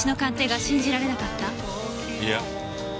いや。